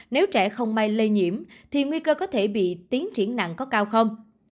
nếu trẻ không may lây nhiễm thì nguy cơ có thể bị tiến triển nặng có cao không